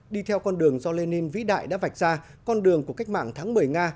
đi theo con đường do lenin vĩ đại đã vạch ra con đường của cách mạng tháng một mươi nga